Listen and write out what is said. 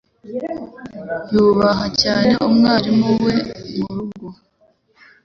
Yubaha cyane mwarimu we murugo.